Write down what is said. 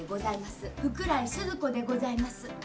福来スズ子でございます。